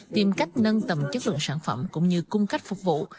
tìm cách nâng tầm chất lượng sản phẩm cũng như cung cách phục vụ